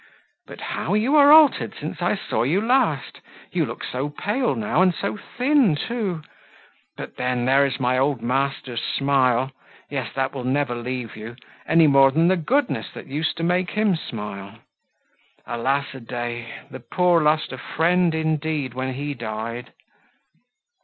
But how you are altered since I saw you last! You look so pale now, and so thin, too; but then, there is my old master's smile! Yes, that will never leave you, any more than the goodness, that used to make him smile. Alas a day! the poor lost a friend indeed, when he died!"